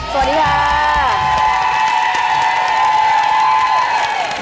สวัสดีค่ะ